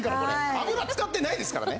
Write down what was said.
油使ってないですからね。